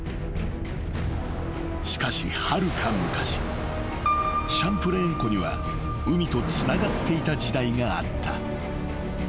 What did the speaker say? ［しかしはるか昔シャンプレーン湖には海とつながっていた時代があった］